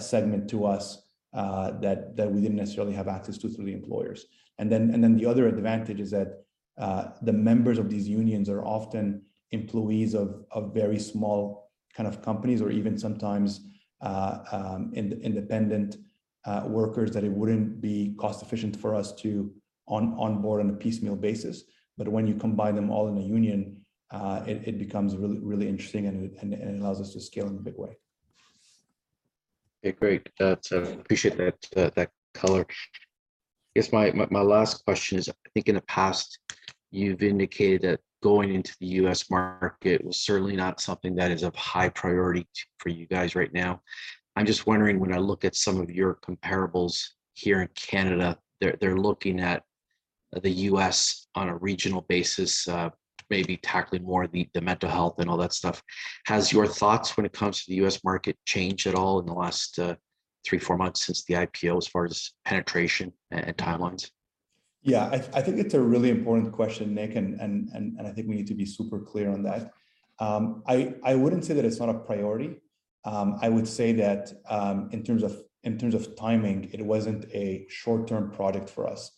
segment to us that we didn't necessarily have access to through the employers. Then the other advantage is that the members of these unions are often employees of very small companies or even sometimes independent workers that it wouldn't be cost efficient for us to onboard on a piecemeal basis. When you combine them all in a union, it becomes really interesting and it allows us to scale in a big way. Okay, great. I appreciate that color. I guess my last question is, I think in the past, you've indicated that going into the U.S. market was certainly not something that is of high priority for you guys right now. I'm just wondering, when I look at some of your comparables here in Canada, they're looking at the U.S. on a regional basis, maybe tackling more of the mental health and all that stuff. Has your thoughts when it comes to the U.S. market changed at all in the last three, four months since the IPO as far as penetration and timelines? I think it's a really important question, Nick. I think we need to be super clear on that. I wouldn't say that it's not a priority. I would say that, in terms of timing, it wasn't a short-term product for us.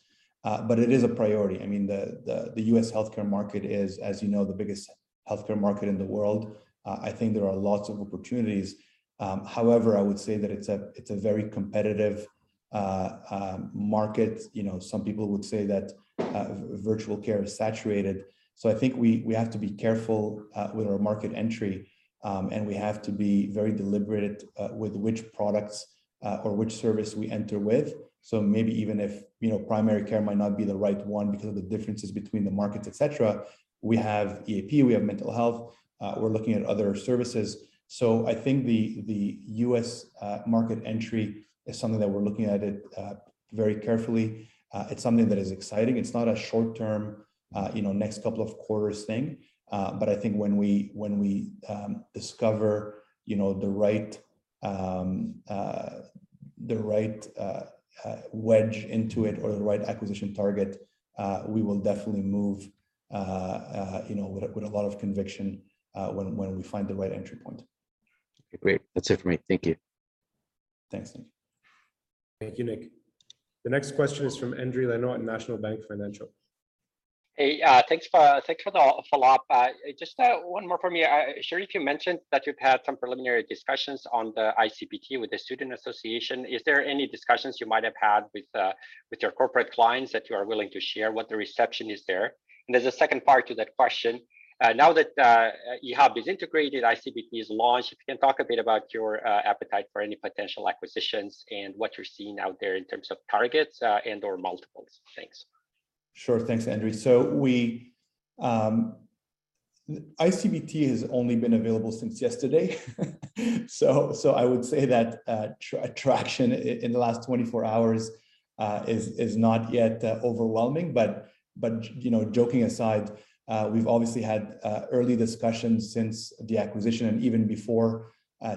It is a priority. The U.S. healthcare market is, as you know, the biggest healthcare market in the world. I think there are lots of opportunities. However, I would say that it's a very competitive market. Some people would say that virtual care is saturated. I think we have to be careful with our market entry, and we have to be very deliberate with which products or which service we enter with. Maybe even if primary care might not be the right one because of the differences between the markets, et cetera, we have EAP, we have mental health, we're looking at other services. I think the U.S. market entry is something that we're looking at it very carefully. It's something that is exciting. It's not a short term, next couple of quarters thing. I think when we discover the right wedge into it or the right acquisition target, we will definitely move with a lot of conviction, when we find the right entry point. Okay, great. That's it for me. Thank you. Thanks, Nick. Thank you, Nick. The next question is from Endri Leno, National Bank Financial. Hey, thanks for the follow-up. Just one more from me. Cherif, you mentioned that you've had some preliminary discussions on the iCBT with the student association. Is there any discussions you might have had with your corporate clients that you are willing to share what the reception is there? There's a second part to that question. Now that e-hub Health is integrated, iCBT is launched, if you can talk a bit about your appetite for any potential acquisitions and what you're seeing out there in terms of targets, and/or multiples. Thanks. Sure. Thanks, Endri. ICBT has only been available since yesterday. I would say that traction in the last 24 hours is not yet overwhelming. Joking aside, we've obviously had early discussions since the acquisition and even before,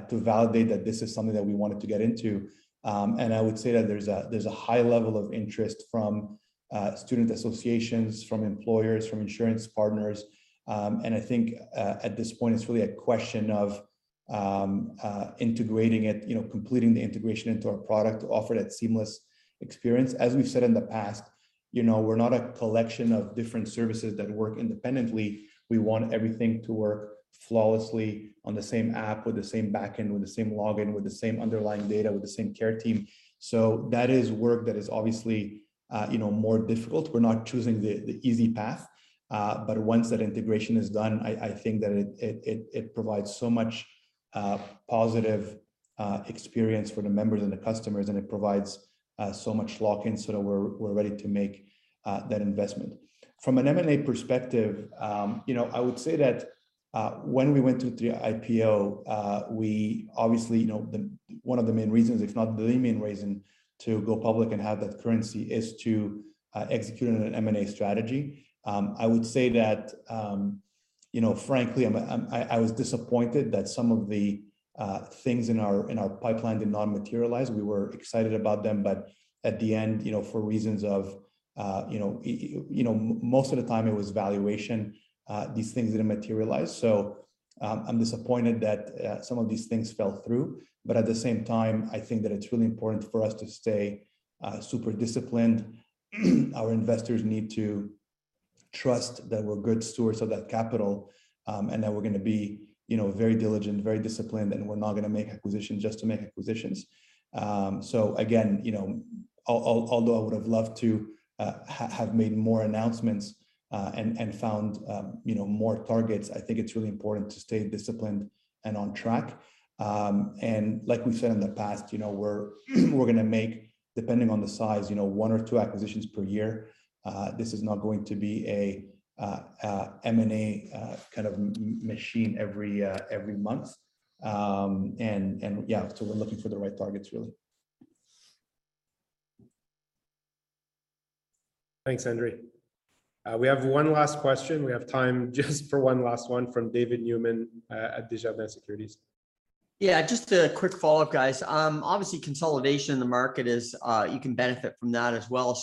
to validate that this is something that we wanted to get into. I would say that there's a high level of interest from student associations, from employers, from insurance partners. I think, at this point, it's really a question of integrating it, completing the integration into our product to offer that seamless experience. As we've said in the past, we're not a collection of different services that work independently. We want everything to work flawlessly on the same app, with the same back end, with the same login, with the same underlying data, with the same care team. That is work that is obviously more difficult. We're not choosing the easy path. Once that integration is done, I think that it provides so much a positive experience for the members and the customers, and it provides so much lock-in so that we're ready to make that investment. From an M&A perspective, I would say that when we went through the IPO, obviously, one of the main reasons, if not the main reason, to go public and have that currency is to execute on an M&A strategy. I would say that, frankly, I was disappointed that some of the things in our pipeline did not materialize. We were excited about them. At the end, most of the time it was valuation, these things didn't materialize. I'm disappointed that some of these things fell through. At the same time, I think that it's really important for us to stay super disciplined. Our investors need to trust that we're good stewards of that capital, that we're going to be very diligent, very disciplined, and we're not going to make acquisitions just to make acquisitions. Again, although I would've loved to have made more announcements and found more targets, I think it's really important to stay disciplined and on track. Like we've said in the past, we're going to make, depending on the size, one or two acquisitions per year. This is not going to be a M&A machine every month. Yeah, we're looking for the right targets, really. Thanks, Endri. We have one last question. We have time just for one last one from David Newman at Desjardins Securities. Just a quick follow-up, guys. Obviously, consolidation in the market is, you can benefit from that as well.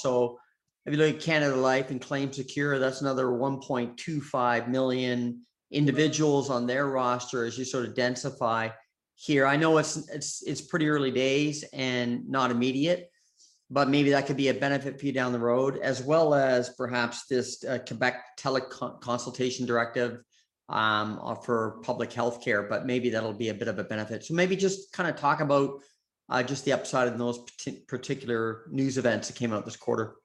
If you look at Canada Life and ClaimSecure, that's another 1.25 million individuals on their roster as you sort of densify here. I know it's pretty early days and not immediate, but maybe that could be a benefit for you down the road, as well as perhaps this Quebec teleconsultation directive for public healthcare, but maybe that'll be a bit of a benefit. Maybe just talk about just the upside of those particular news events that came out this quarter.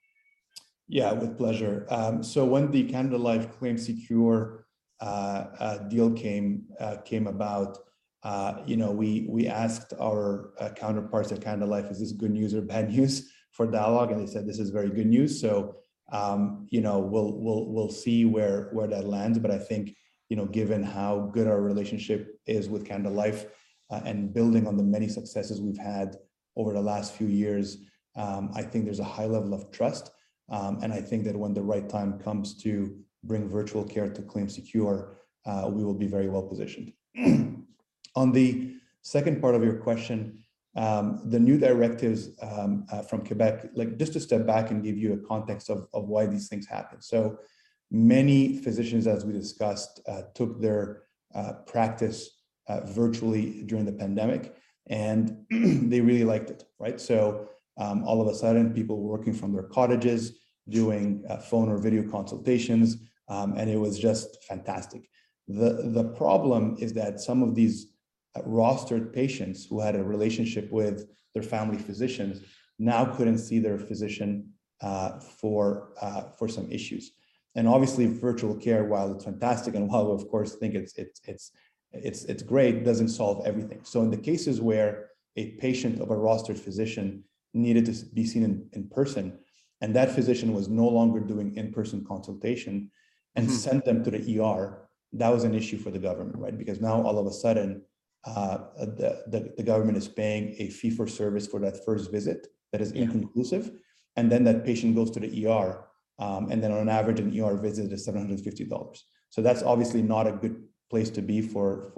Yeah, with pleasure. When the Canada Life ClaimSecure deal came about, we asked our counterparts at Canada Life, "Is this good news or bad news for Dialogue?" They said this is very good news. We'll see where that lands, but I think, given how good our relationship is with Canada Life, and building on the many successes we've had over the last few years, I think there's a high level of trust. I think that when the right time comes to bring virtual care to ClaimSecure, we will be very well positioned. On the second part of your question, the new directives from Quebec. Just to step back and give a context of why these things happen. Many physicians, as we discussed, took their practice virtually during the pandemic, and they really liked it, right? All of a sudden, people were working from their cottages, doing phone or video consultations, and it was just fantastic. The problem is that some of these rostered patients who had a relationship with their family physicians now couldn't see their physician for some issues. Obviously virtual care, while it's fantastic and while we of course think it's great, doesn't solve everything. In the cases where a patient of a rostered physician needed to be seen in person, and that physician was no longer doing in-person consultation and sent them to the ER, that was an issue for the government, right? Now all of a sudden, the government is paying a fee for service for that first visit that is inconclusive, and then that patient goes to the ER, and then on average, an ER visit is 750 dollars. That's obviously not a good place to be for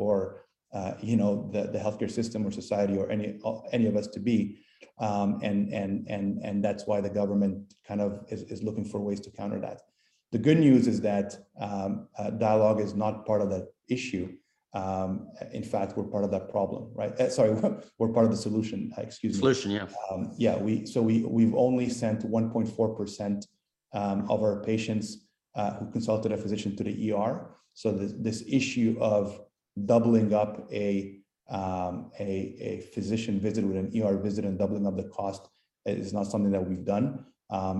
the healthcare system or society or any of us to be. That's why the government is looking for ways to counter that. The good news is that Dialogue is not part of that issue. In fact, we're part of that problem, right? Sorry, we're part of the solution. Excuse me. Solution, yeah. Yeah. We've only sent 1.4% of our patients who consulted a physician to the ER, this issue of doubling up a physician visit with an ER visit and doubling up the cost is not something that we've done.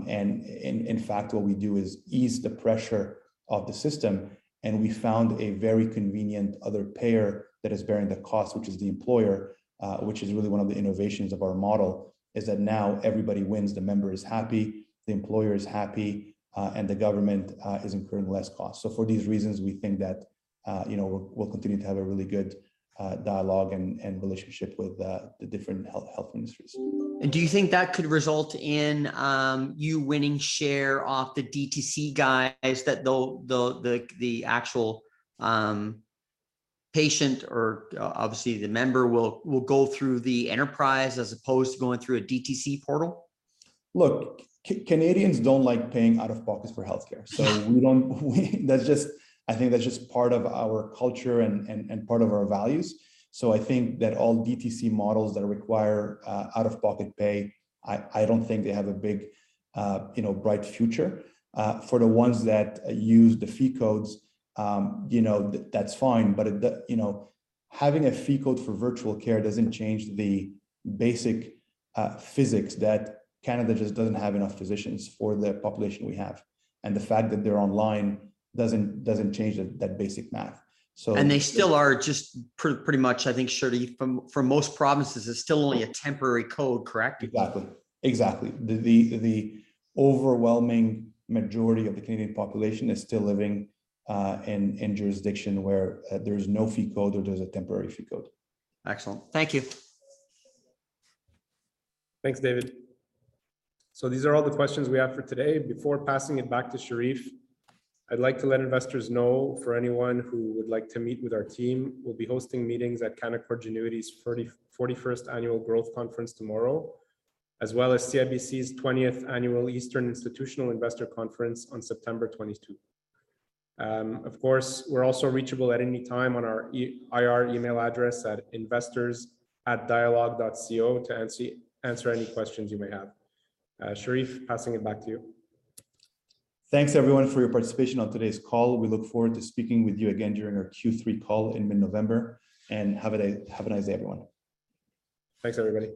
In fact, what we do is ease the pressure of the system, and we found a very convenient other payer that is bearing the cost, which is the employer, which is really one of the innovations of our model, is that now everybody wins. The member is happy, the employer is happy, and the government is incurring less cost. For these reasons, we think that we'll continue to have a really good dialogue and relationship with the different health industries. Do you think that could result in you winning share off the DTC guys, that the actual patient, or obviously the member, will go through the enterprise as opposed to going through a DTC portal? Look, Canadians don't like paying out of pocket for healthcare. I think that's just part of our culture and part of our values. I think that all DTC models that require out-of-pocket pay, I don't think they have a big, bright future. For the ones that use the fee codes, that's fine. Having a fee code for virtual care doesn't change the basic physics that Canada just doesn't have enough physicians for the population we have. The fact that they're online doesn't change that basic math. They still are just pretty much, I think, Cherif, for most provinces, it's still only a temporary code, correct? Exactly. The overwhelming majority of the Canadian population is still living in jurisdiction where there's no fee code or there's a temporary fee code. Excellent. Thank you. Thanks, David. These are all the questions we have for today. Before passing it back to Cherif, I'd like to let investors know, for anyone who would like to meet with our team, we'll be hosting meetings at Canaccord Genuity's 41st Annual Growth Conference tomorrow, as well as CIBC's 20th Annual Eastern Institutional Investor Conference on September 22. Of course, we're also reachable at any time on our IR email address at investors@dialogue.co to answer any questions you may have. Cherif, passing it back to you. Thanks, everyone, for your participation on today's call. We look forward to speaking with you again during our Q3 call in mid-November. Have a nice day, everyone. Thanks, everybody.